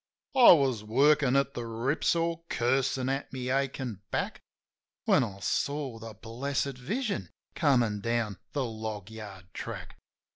I was workin' at the rip saw, cursin' at my achin' back, When I saw the blessed vision comin' down the log yard track.